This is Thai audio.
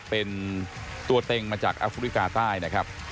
เป็นตัวเต็งมาจากแอฟริกาใต้นะครับ